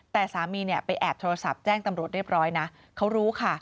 แต่สามีเนี่ยไปแอบโทรศัพท์แจ้งตำรวจเรียบร้อยนะเขารู้ค่ะ